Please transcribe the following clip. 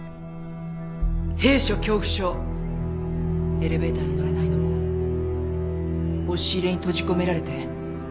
エレベーターに乗れないのも押し入れに閉じ込められて閉所恐怖症になったから。